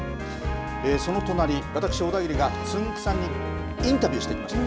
その隣、私小田切がつんく♂さんにインタビューしてきました。